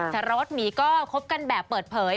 แต่รถหมีก็คบกันแบบเปิดเผย